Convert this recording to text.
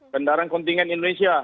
kendaraan kontingen indonesia